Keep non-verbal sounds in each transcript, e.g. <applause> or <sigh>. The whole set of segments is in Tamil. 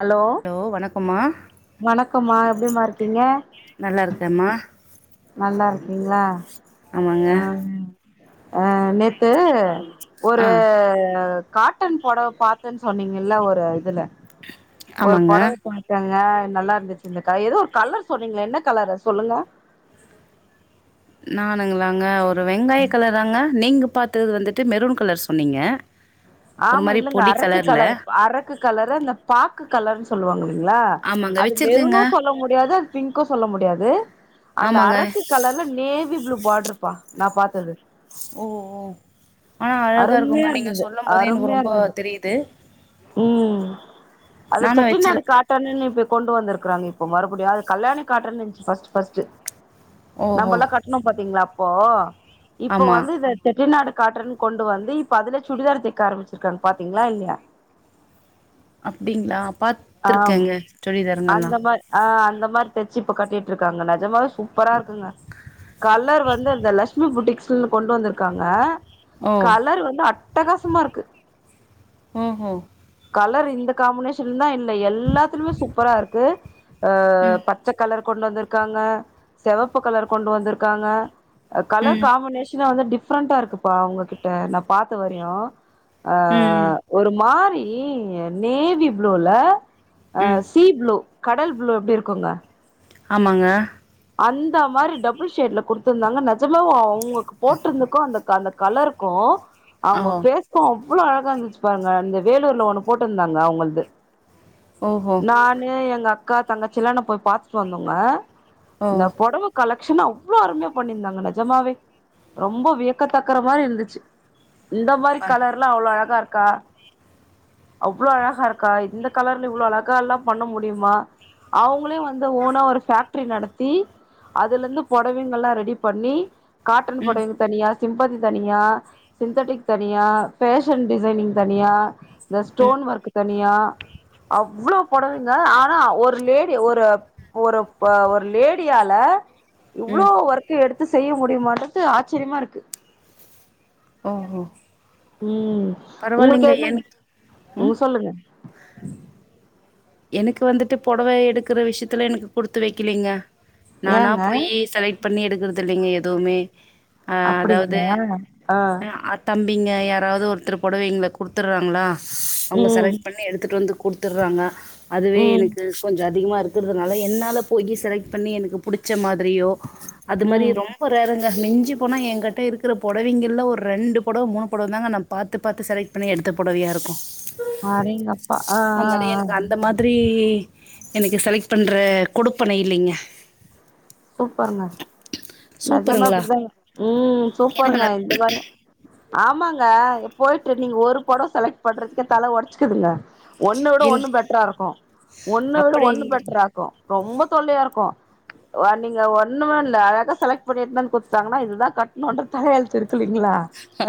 ஹலோ ஹலோ வணக்கம்மா வணக்கம்மா எப்டிமா இருக்கீங்க நல்லாருக்கேம்மா நல்லா இருக்கீங்களா ஆமாங்க அ நேத்து ஒரு ஆ கா ட்டன் பொடவ பாத்தேன்னு சொன்னீங்கல்ல ஒரு இதுல ஒரு ஆமாங்க பொடவ பாத்தாங்க நல்லா இருந்துச்சு இந்தக்க ஏதோ ஒரு கலர் சொன்னீங்களெ என்ன கலரு சொல்லுங்க நானுங்களாங்க ஒரு வெங்காய கலராங்க நீங்க பாத்தது வந்துட்டு மெரூன் கலர் சொன்னீங்க ஒரு ஆமா மாரி இல்லங்க பொடி அரக்கு கலர்ல கலர் அரக்கு கலரு அந்த பாக்கு கலர்ன்னு சொல்லுவாங்க இல்லலைங்களா ஆமாங்க அது வச்சிருக்கேங்க மெருனு சொல்ல முடியாது அது பிங்க்கு சொல்ல முடியாது அந்த ஆமாங்க அறக்கு கலர்ல நேவி ப்ளூ பாட்ருப்பா நா பாத்தது ஓ ஓ ஆனா அழகா அருமையா இருக்குங்க நீங்க இருந்தது சொல்லும் போதே எனக்கு அருமையா ரொம்ப இருந்தது தெரியுது ம் அது நானு செட்டி நாடு வச்சிருக் காட் டன்னுனு இப்ப கொண்டு வந்து இருக்குறாங்க இப்ப மருபடியு அது கல்யாணி காட்டனு இருந்துச்சு ஃபர்ஸ்ட் ஃபர்ஸ்ட்டு ஓஹோ நம்பளா கட்ணும் பாத்தீங்ளா அப்போ இப்போ ஆமா வந்து இத செட்டிநாடு காட்டன் கொண்டு வந்து இப்ப அதுல சுடிதார் தெக்க ஆரம்பிச்சிருக்காங்க பாத்தீங்ளா இல்லையா அப்டிங்ளா ஆம் பாத்ருக்கேங்க சுடிதார்ங்கள்லா அந்த மாரி ஆ அந்த மாரி தச்சு இப்ப கட்டிட்ருக்காங்க நெஜமாவே சூப்பரா இருங்க கலர் வந்து அந்த லஷ்மி பொட்டிக்ஸ்னு கொண்டு வந்துருக்காங்க ஓ கலர் வந்து அட்டகாசமா இருக்கு ஓஹோ கலர் இந்த காம்பினேஷன் தா இல்ல எல்லாத்துலுமே சூப்பரா இருக்கு ஆ ம் பச்ச கலர் கொண்டு வந்துருக்காங்க செவப்பு கலர் கொண்டு வந்துருக்காங்க அ கலர் ம் காம்பினேஷனே வந்து டிஃப்ரெண்டா இருக்குப்பா உங்ககிட்ட நா பாத்த வரயு ம் ஒரு மாரி நேவி ப்ளூல ம். சீ ப்ளூ கடல் ப்ளூ எப்டி இருக்குங்க ஆமாங்க அந்த மாரி டபுள் ஷேட்ல குடுத்துருந்தாங்க நெஜமே அவங்களுக்கு போட்ருந்துக்கும் அந்த அந்த கலர்க்கு அவங்க ஓ ஃபேஸ் க்கு அவ்ளோ அழகா இருந்துச்சு பாருங்க இந்த வேலூர்ல ஒண்ணு போட்டுருந்தாங்க அவங்கள்து ஓஹோ நானு எங்க அக்கா தங்கச்சிலா நா போய் பாத்துட்டு வந்தோங்க ஓ இந்த பொடவ கலெக்ஷன் அவ்ளோ அருமையா பண்ணியிருந்தாங்க நெஜமாவே ரொம்ப வியக்கத்தக்கற மாரி இருந்துச்சு இந்த மாரி ப கலர்லா அவ்ளோ அழகா இருக்கா அவ்ளோ அழகா இருக்கா இந்த கலர்ல இவ்ளோ அழகால்லா பண்ண முடியுமா அவங்களே வந்து ஓனா ஒரு ஃபேக்ட்ரி நடத் த்தி அதுலந்து பொடவைங்கல்லா ரெடி பண்ணி காட்டன் ம் பொடவை தனியா சிம்பதி தனியா சிந்தட்டிக் தனியா ஃபேஷன் டிசைனிங் தனியா இந்த ம் ஸ்டோன் ஒர்க்கு தனியா அவ்ளோ பொடவைங்க ஆனா ஒரு லேடி ஒரு ஒரு ஒரு லே லேடியால இவ்ளோ ம் ஒர்க் எடுத்து செய்ய முடியமான்றது ஆச்சரியமா இருக்கு ஓ ஓ ம் உங்களுக்கு என்ன எனக்கு ம் சொல்லுங்க எனக்கு வந்துட்டு பொடவ எடுக்கிற விஷயத்துல எனக்கு குடுத்து வைக்கலிங்க நானா ஏங்க போய் செலக் ட் பண்ணி எடுக்கறது இல்லைங்க எதுவ்மே ஆ அதாவ்து அப்டிங்களா ஆ அத் தம்பிங்க யாராவ்து ஒருத்தரு பொடவைங்ள குடுத்துறாங்ளா அவங்க ம் செலக்ட் பண்ணி ண்ணி எடுத்துட்டு வந்து குடுத்துறாங்க அதுவே ம் எனக்கு கொஞ்ச அதிகமா இருக் க்றதுனால என்னால போயி செலக்ட் பண்ணி எனக்கு புடிச்ச மாதிரியோ அது மாதிரி ம் ரேர் ரொம்ப ரேர்ருங்க மிஞ்சி போனா எங்கிட்ட இருக்கிற பொடவைங்கல்ல ஒரு ரெண்டு பொடவ மூணு பொடவ தாங்க நா பாத்து பாத்து செலக்ட் பண்ணி எடுத்த பொடவையா இருக்கு அடேங்கப்பா ஆ ஆ ஆ இந்த மாதிரி எனக்கு செலக்ட் பண்ற குடுப்பண இல்லிங்க சூப்பருங்க நெஜமா சூப்பருங்களா இப்படிதாங் ம் எனக்கு சூப்பருங்க ந இந்த மாரி ஆமாங்க போயிட்டு நீங்க ஒரு பொடவ செலக்ட் பண்றதுக்கே தல ஒடச்சுக்குதுங்க ஒண்ண விட இல் ஒண்ணு பெட்ரா இருக்கு ஒண்ண விட அப்படி ஒண்ணு இல்ல பெட்ரா இருக்கு ரொம்ப தொல்லையா இருக்கு வ நீங்க ஒண்ணுமே இல்ல அழகா செலக்ட் பண்ணி எடுத்துனு வந்து குடுத்துட்டாங்கன்னா இதுதா கட்டணுன்ற தலையெழுத்து தூள்ளிங்ளா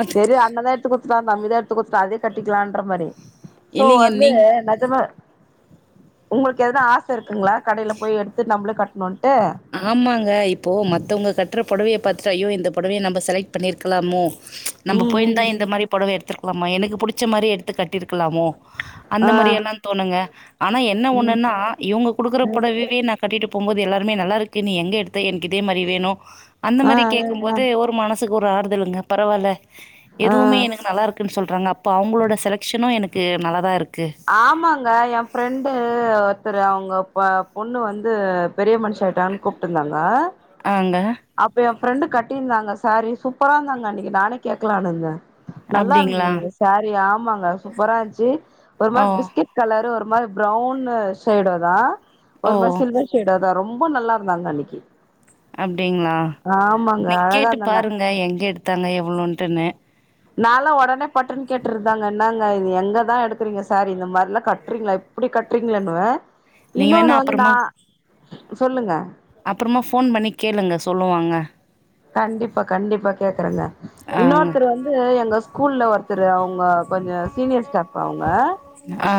அது சேரி அண்ணதா எடுத்து குடுத்துட்டாரு தம்பிதா எடுத்து குடுத்துட்டாரு அதே கட்டிக்கிலான்ற மாரி சோ இல்லைங்க வந்து நீங் நெஜம உங்ளுக்கு எதுனா ஆச இருக்குங்ளா கடைல போயி எடுத்து நம்ளே கட்னோட்டு ஆமாங்க இப்போ மத்தவங்க கட்ற பொடவைய பாத்துட்டு ஐயோ இந்த பொடவைய நம்ம செலக்ட் பண்ணியிருக்கலாமோ நம்ப ம் ம் போயிருந்தா ம் இந்த மாதிரி பொடவை எடுத்துருக்கலாமோ எனக்கு புடிச்ச மாரி எடுத்து கட்டிருக்கலாமோ அந்த ஆ மாரி எல்லா தோணுங்க ஆனா என்ன ம் ஒண்ணுன்னா இவங்க குடுக்குற புடவவே ந கட்டிட்டு போம்போது எல்லாருமே நல்லா இருக்கு நீ எங்க எடுத்த எனக்கு இதே மாதிரி வேணு அந்த ஆ மாதிரி ஆ கேக்கும்போது ஒரு மான மனசுக்கு ஒரு ஆறுதலுங்க பரவாயில்ல ஆ ஆ எதுவுமே எனக்கு நல்லா இருக் இருக்குன்னு சொல்றாங்க அப்போ அவங்களோட செலக்ஷனு எனக்கு நல்லா தா இருக்கு ஆமாங்க ஏ ஃப்ரெண்டு ஒருத்தரு அவங்க ப பொண்ணு வந்து பெரிய மனுஷி ஆயிட்டான்னு கூப்டு இருந்தாங்க ஆங்க அப்ப ஏ ஃப்ரெண்டு கட்டியிருந்தாங்க சாரி சூப்பரா இருந்தாங்க அன்னைக்கு நானே கேக்கலான்னுருந்த நல்லா அப்டிங்களா? இருந்ததுங்க ஷரி ஆமாங்க சூப்பரா இருந்துச்சி ஒரு ஓ! மாரி பிஸ்கெட் கலரு ஒரு மாரி பிரவுன் ஷேடோ தா ஒரு மாரி ஓ! சில்வர் ஷேடோ தா ரொம்ப நல்லா இருந்தாங்க அன்னைக்கி அப்டிங்ளா நீங் அழகா கேட்டு இருந்தாங்க பாருங்க எங்க எடுத்தாங்க எவ்ளோன்டுன்னு நால ஒடனே பட்டுன் கேட்ருந்தாங்க என்னாங்க இது எங்கதா எடுக்கறீங்க சாரி இந்த மாரி எல்லா கட்றீங்ளா இப்டி கட்றீங்களேன்னுவ நீங்க இன்னொன்னு வேணா வந்து நா அப்புறமா சொல்லுங்க அப்புறமா போன் பண்ணி கேளுங்க சொல்லுவாங்க கண்டிப்பா கண்டிப்பா கேக்கறங்க ஆங்க இன்னொருத்தர் வந்து எங்க ஸ்கூல்ல ஒருத்தரு அவ்ங்கப் கொஞ்ச சீனியர் ஸ்டாப் அவுங்க ஆ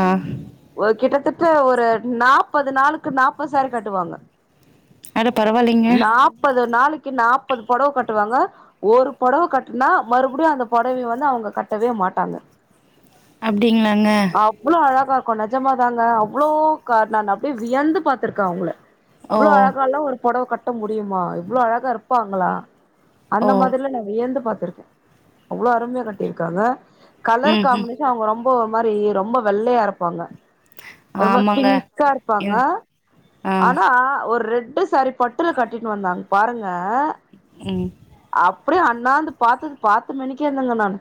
ஒரு கிட்டத்தட்ட ஒரு நாப்பது நாளுக்கு நாப்பது சாரி கட்டுவாங்க அட பரவாயில்லைங்க முப்பது நாளைக்கி நாப்பது பொடவ கட்டுவாங்க ஒரு பொடவ கட்டுனா மறுபடியு அந்த பொடவ வந்து அவங்க கட்டவே மாட்டாங்க அப்டிங்ளாங்க அவ்ளோ அழகா இருக்கு நெஜமாதாங்க அவ்ளோ கா நா அப்டியே வியந்து பாத்திருக்க அவங்கள ஓ இவ்ளா அழகாலா ஒரு பொடவ கட்ட முடியுமா இவ்வளோ அழகா இருப்பாங்களா அந்த ஓ மாரில நா வியந்து பாத்துருக்கே அவ்ளோ அருமையா கட்டிருக்காங்க கலர் ம் ம் காம்மினேஷன் அவங்க ரொம்ப ஒரு மாதிரி ரொம்ப வெள்ளையா இருப்பாங்க ஒரு மா ஆமாங்க ஃபிங்க்கா இருப்பாங்க இது ஆ ஆனா ஒரு ரெட்டு ஷரிப் பட்டுல கட்டிட்டு வந்தாங்க பாருங்க ம் அப்ரோ அண்ணாந்து பாத்தது பாத்து மேனிக்கே இருந்தேங்க நானு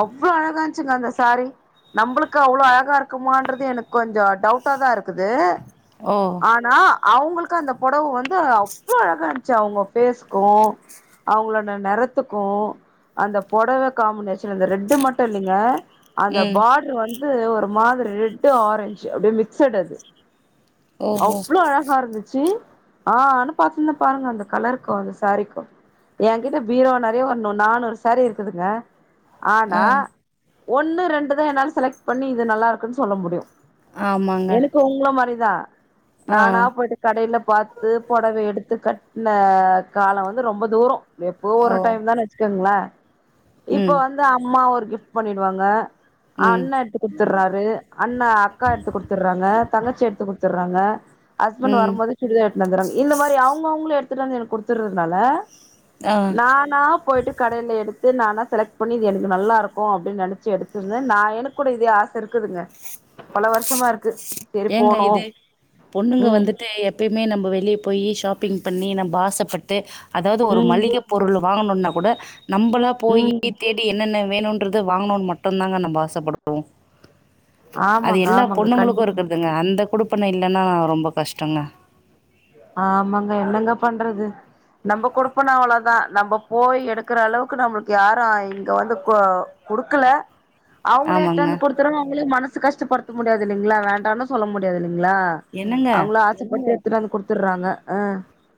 அவ்வளோ அழகாயிருன்சிங்க அந்த ஷரி நம்ளுக்கு அவ்வளோ அழகா இருக்குமன்றது எனக்கு கொஞ்சோ டவுட்டாக தா இருக்குது ஓ ஆனா அவங்களுக்கு பொடவ வந்து அவ்ளோ அழகா இருந்துச்சி அவங்க பேஸ்க்கு அவங்களோட நிறத்துக்கு அந்த புடவ காம்பினேஷன் அந்த ரெட்டு மட்டு இல்லங்க அந்த ம் பா்ட்ரு வந்து ஒரு மாதிரி ரெட்டு ஆரெஞ்சி அப்டி மிக்சடு அது ஓஹோ அவளோ அழகா இருந்துச்சி ஆ ஆனா பேச மாட்டாங்க அந்த கலருக்கு அந்த சாரிக்கு ஏ கிட்ட பீரோ நறைய ஒரு நானூறு சாரி இருக்குதுங்க ஆ ஆனா ஒன்னு ரெண்டுதா என்னால செலக்ட் பண்ணி இது நல்லா இருக்குன்னு சொல்ல முடியு ஆமாங்க எனக்கு உங்ள மாரிதா ஆ நானா போயிட்டு கடையில பார்த்து புடவை எடுத்து கட்டின காலம் வந்து ரொம்ப தூரம் எப்போ ஒரு ஓ டைம் தான் வச்சுக்கோங்களேன் இப்ப ம் வந்து அம்மா ஒரு கிஃப்ட் பண்ணிடுவாங்க ம் அண்ணன் குடுத்துடுறாரு அண்ணா அக்கா எடுத்து குடுத்துடுறாங்க தங்கச்சி எடுத்து குடுத்துடுறாங்க ஹஸ்பண்ட் ம் வரும்போது சுடிதார் எடுத்துட்டு வந்துறாங்க இந்த மாதிரி அவங்க அவங்களும் எடுத்துட்டு வந்து எனக்கு கொடுத்துறதுனால ஆ நான் நான் போயிட்டு கடையில எடுத்து நானா செலக்ட் பண்ணி இது எனக்கு நல்லா இருக்கும் அப்படின்னு எடுத்திருந்தேன் எனக்கு கூட ஆசை இருக்குதுங்க பல வருஷமா இருக்கு செரி ஏங்க போனு இதுபொண்ணுங்க ம் வந்துட்டு எப்போயுமே நம்ம வெளியே போய் ஷாப்பிங் பண்ணி நம்ம ஆசைப்பட்டு அதாவது ஒரு ம் மளிகை பொருள் வாங்கணுனா கூட நம்மளாக போய் ம் தேடி என்னென்ன வேணும்ன்றது வாங்கணும்னு மட்டும்தாங்க நம்ம ஆசைப்படுவோம் அது ஆமாங்க எல்லா ஆமாங்க பொண்ணுங்களுக்கும் கண்டிப்பா இருக்கதுங்க அந்த குடுப்பண்ணை இல்லைன்னா ரொம்ப கஷ்டங்க ஆமாங்க என்னங்க பண்றது நம்ம கொடுப்பனை அவ்வளவுதான் நம்ம போய் எடுக்கிற அளவுக்கு நம்மளுக்கு யாரும் இங்க வந்து கொடுக்கல <inaudible> அவங்களே எடுத்து வந்து கொடுத்துரங்க அவங்களே மனசை கஷ்டப்படுத்த முடியாது இல்லைங்களா வேண்டான்னு சொல்ல முடியாது இல்லைங்களா என்னங்க அவங்களும் ஆசைப்பட்டு எடுத்துட்டு வந்து குடுத்துடுறாங்க அஹ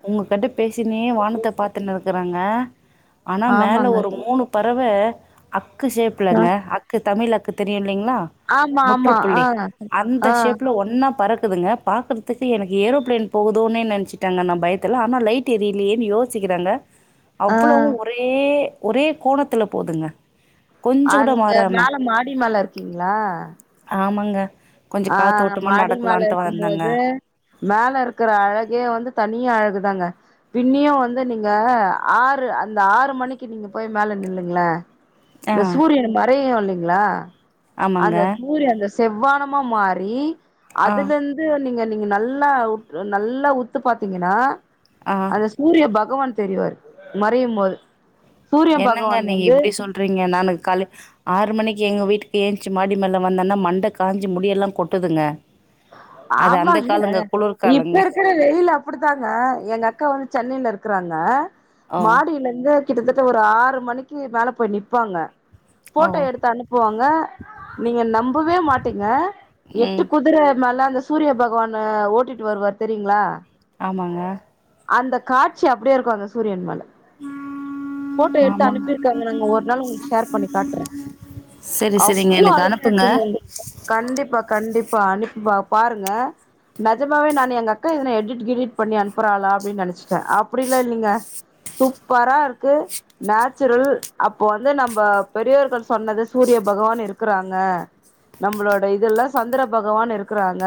உங்க கிட்ட பேசினினே வானத்தை பார்த்துன்னு இருக்கறாங்க ஆனா மேல ஆமாங்க ஒரு மூணு பறவை அக்கு ஆ, ஷேப்புலங்க அக்கு தமிழ் அக்கு தெரியும் இல்லைங்களா ஆமா ஆமா ஆ முற்றுப்புள்ளி அந்த ஆ ஷேப்ல ஒண்ணா பறக்குதுங்க பார்கறதுக்கு எனக்கு ஏரோப்ளைன் போகுதோன்னு நினாச்சிட்டாங்க நம் பயத்தில்ல ஆனா லைட் எரியிலயே ஏன் யோசிக்கிறாங்க ஆ அவ்வள ஒரு ஒரே ஒரே கோணத்துல போதுங்க கொஞ்ச ஆ கூட நீங்க மாறாம மேல மாடிமேல இருக்கீங்களா ஆமாங்க கொஞ்ச ஆ காத்தோட்டமா மாடி மேல நடக்கலான்ட்டு வந்தேங்க. இருக்கும்போது மேல இருக்கற அழகே வந்து தனி அழகுதாங்க பின்னியும் வந்து நீங்க ஆறு அந்த ஆறு மணிக்கு நீங்க போய் மேல நின்னுங்களே ஆ அந்த சூரியன் மறையும் இல்லைங்களா ஆமாங்க. அந்த சூரியன் அந்த செவ்வான அம்மாரி ஆ அதுல நீங்க நீங்க நல்லா நல்லா உத்து பார்த்தீங்கன்னா ஆ சூரிய பகவான் தெரியவாரு மறையும்போது சூரிய பகவான் வந்து விங்க நானு கால ஆறு மணிக்கு எங்கள் வீட்டுக்கு ஏந்திச்சி மாடி மேல்லே வந்தேன்னா மண்டை காஞ்சி முடியெல்லாம் கொட்டுதுங்க அது அந்த ஆமாங்க காலங்க, குளிர் இப்ப காலங்க. இருக்கிற வெயிலஞல அப்படித்தாங்க எங்க அக்கா வந்து சென்னையில இருக்கிறாங்க ஓ! மாடியில இருந்து கிட்டத்தட்ட ஒருஆறு மணிக்கு ஆறு மேல போய் நிப்பாங்க ஓ! போட்டோ எடுத்து அனுப்புவாங்க நீங்க நம்பவே மாட்டீங்க எட்டு ம். குதிர மேல அந்த சூரிய பகவான் ஓட்டிட்டு வருவார் தெரியுங்களா ஆமாங்க அந்த காட்சி அப்படியே இருக்கும் அந்த சூரியன் மேல போட்டோ எடுத்து அனுப்பிருக்காங்க நாங்க ஒரு நாள் உங்களுக்கு ஷேர் பண்ணி காட்றே சேரி சேரிங்க அவ்ளோ எனக்கு அனுப் அருமையா புங்க இருக்குங்க உங்களுக்கு கண்டிப்பா கண்டிப்பா அனுப்பிப்பா பாருங்க நெஜமாவே நா எங்க அக்கா இதனை எடிக்ட் கிடிட் பண்ணி அனுப்புறாளா அப்டின்னு நெனைச்சிட்ட அப்பிடிலா இல்லைங்க சூப்பராருக்கு நேச்சுரல் அப்போ வந்து நம்ம பெரியோர்கள் சொன்னது சூரிய பகவான் இருக்குறாங்க நம்மளோட இதுல்ல சந்திர பகவான் இருக்கறாங்க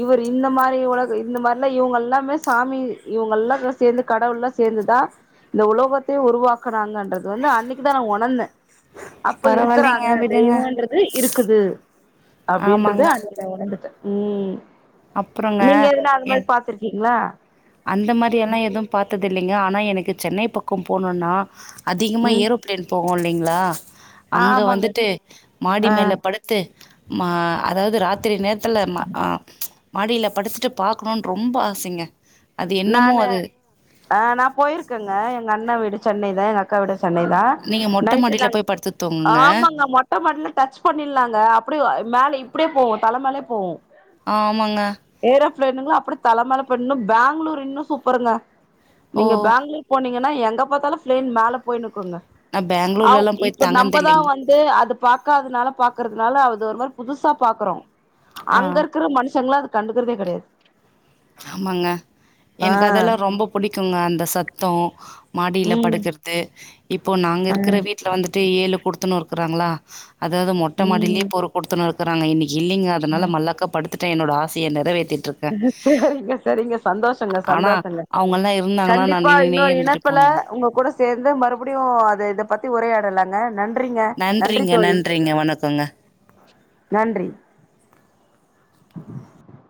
இவுரு இந்த மாரி ஒலக இந்த மாரிலா இவுங்கல்லாமே சாமி இவுங்கலா சேத்து கடவுல சேந்துதா இந்த உலோகத்த உருவாக்கனாங்கன்றது வந்து அன்னைக்கி தா நா உணர்ந்த அப்போ பரவாயில்லைங்க, இருக்கறாங்க விடுங்க. தெய்வொன்றது து இருக்குது அப்டின்றது ஆமாங்க. அன்னைக்கி நா உணர்த்துட்ட ம் அப்புறங்க நீங்க எதனா அந்த மாரி என் பாத்துருக்கீங்களா அந்த மாரியெல்லா பார்த்ததில்லை க்க ஆனா எனக்கு சென்னை பக்கோ போனுன்னா அதிகமா ம் ஏரோ பேலையின் போகு இல்லைங்களா அங்க ஆமாங்க வந்துட்டு மாடி அ மேல படுத் ட்டு மா அதாவது ராத்திரி நேரத்துல ம அ மாடியில படித்துட்டு பாக்கணுன் ரொம்ப ஆசைங்க அது என்னமோ நானு அது அ நா போயிருக்கங்க எங்க அண்ணா வீடு சென்னையில எங்க அக் கா விடு சென்னை தா நீங்க மொட்ட நைட்டு மாடியில நாங் போய் படுத்து தூங்குங்க ஆமாங்க மொட் மொட்ட மாட்ல டச் பண்ணிர்லாங் அப்புடியு மேலே இப்புடியு போவோ தல மேலே போவு ஆமாங்க ஏரோ பிளைனுங்க அப்படிய தலமேல பேயிட் இன்று பெங்களூர் இன்னு சூப்பருங்க ஓ நீங்க பெங்களூர் போனீங்கன்னா எங்க பாத்தாலு பிளேன் மேல போய்ன்னுக்குங்க நா அவ் பெங்களூர்லல்லா போய் இப்ப தங்கனது நம்மதா இல்லைங்க வந்து து அது பாக்காதனால பாக்குறதுனால அது ஒரு மாதிரி புதுசா பாக்குறோ ஆ அங்கருக்குற மனுஷங்களா அது கண்டுக்கறதே கடையாது ஆமாங்க ஆ எனக்கு அதெல்லா ரொம்ப புடிக்குங்க அந்த சத்தோ மாடியில ம் படுக்கர்றது இப்போ நாங்க இருக்குற வீட்ல வந்துட்டு ஏழு குடுத்தன்னோ இருக்குறாங்களா அதாவது மொட்ட மாட்டியிலேயே ம் ஒரு கொடுத்தன்னோ இருக்குறாங்க இன்னைக்கி இல்லைங்க அதனால மல்லாக்கா படுத் துட்டு என்னோட ஆசையை நிறைவேத்திட்டுருக்க சேரிங்க சேரிங்க சந்தோஷங்க ஆனா, சந்தோஷங்க அவங்கலாம் இருந்தாங்கன்னா நான் கண்டிப்பா நின்னுனே இன்னொரு இருந்துட்டு இணைப்புல போனேங்க. உங்க கூட சேந்து மறுபடியு அது இத பத்தி உரையாடலாங்க நன் நன்றிங்க நன்றிங்க வணக்கோங்க நன்றி